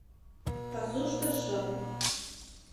Пасушто шып.